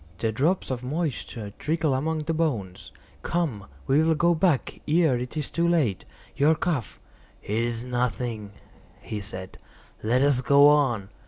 The drops of moisture trickle among the bones. Come, we will go back ere it is too late. Your cough—" "It is nothing," he said; "let us go on.